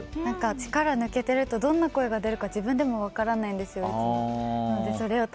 力抜けているとどんな声が出るか自分でも分からないんですよ。